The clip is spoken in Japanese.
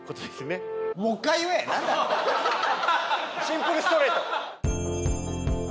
シンプルストレート。